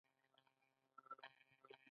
ټولنه د انسان د فطرت انعکاس ده.